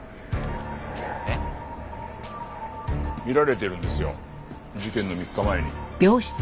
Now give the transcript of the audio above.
見られてるんですよ事件の３日前に。